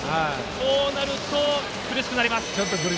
こうなると苦しくなります。